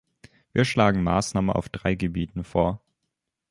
Wir schlagen Maßnahmen auf drei Gebieten vor.